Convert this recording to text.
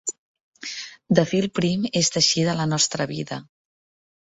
De fil prim és teixida la nostra vida.